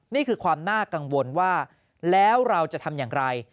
นี่คือความน่ากังวลว่าแล้วเราจะทำอย่างไร